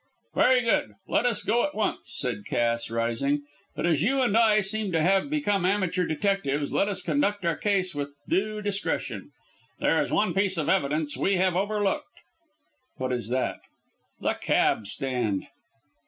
"Very good; let us go at once," said Cass, rising. "But as you and I seem to have become amateur detectives, let us conduct our case with due discretion. There is one piece of evidence we have overlooked." "What is that?" "The cab stand."